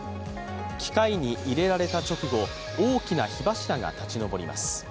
機械に入れられた直後大きな火柱が立ち上ります。